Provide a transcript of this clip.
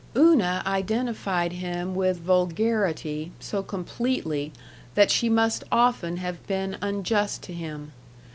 Una identified him with vulgarity so completely that she must often have been unjust to him.